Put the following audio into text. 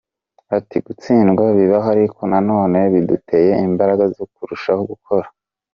Ati “Gutsindwa bibaho ariko nanone biduteye imbaraga zo kurushaho gukora.